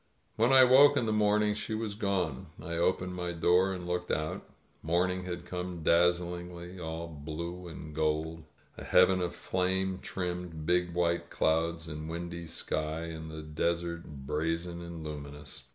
.•. When I woke in the morning she was gone. I opened my door and looked out. Morning had come daz zlingly, all blue and gold — a heaven of flame trimmed big white clouds and windy sky, and the desert brazen and luminous.